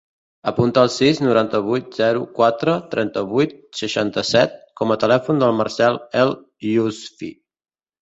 Apunta el sis, noranta-vuit, zero, quatre, trenta-vuit, seixanta-set com a telèfon del Marcel El Yousfi.